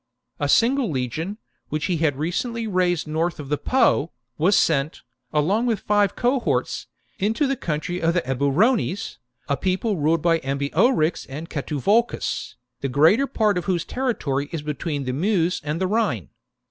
A single Ifgion, which he had recently raised north of the Po, was sent, along with five cohorts, into the country of the Eburones, a people ruled J;^ Ambiorix and Catuvolcus, the greater part of v^hose territory is between the Meuse and the Rhine.